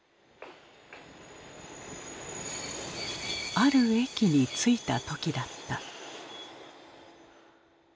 ある駅に着いた時だった。